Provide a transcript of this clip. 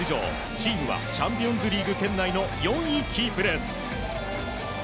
チームはチャンピオンズリーグ圏内の４位キープです。